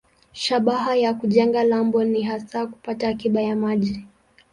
Shabaha ya kujenga lambo ni hasa kupata akiba ya maji.